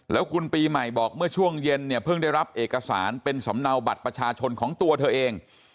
แล้วคุณปีใหม่บอกเมื่อช่วงเย็นเนี่ยเพิ่งได้รับเอกสารเป็นสำเนาบัตรประชาชนของตัวเธอเอง